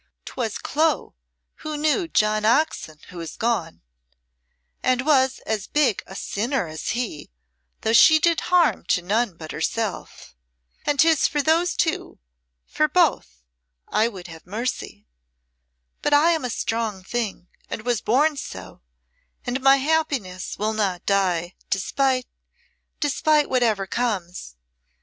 'Twas Clo who knew John Oxon who is gone and was as big a sinner as he, though she did harm to none but herself. And 'tis for those two for both I would have mercy. But I am a strong thing, and was born so, and my happiness will not die, despite despite whatsoever comes.